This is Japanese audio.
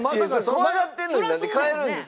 怖がってるのになんで帰るんですか？